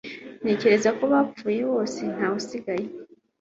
Natekereje ko bapfuye bose nta wa sigaye